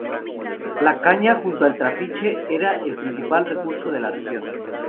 La caña, junto al trapiche, era el principal recurso de la región.